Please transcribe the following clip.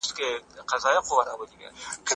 د څېړنې پایلې ښيي چې ساتنه باید جدي ونیول شي.